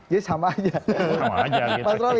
jadi sama aja sama aja gitu